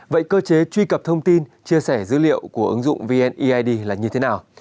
vậy cơ chế truy cập thông tin chia sẻ dữ liệu của ứng dụng vneid là như thế nào